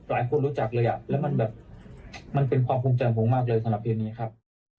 หลายคนรู้จักเลยอ่ะแล้วมันแบบมันเป็นความภูมิใจของผมมากเลยสำหรับเพลงนี้ครับ